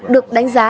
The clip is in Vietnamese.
được đánh giá